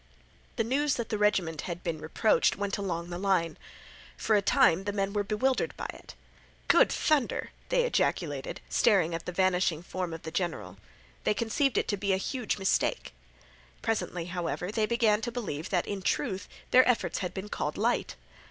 The news that the regiment had been reproached went along the line. For a time the men were bewildered by it. "Good thunder!" they ejaculated, staring at the vanishing form of the general. They conceived it to be a huge mistake. Presently, however, they began to believe that in truth their efforts had been called light.